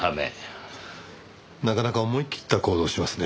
なかなか思い切った行動をしますね。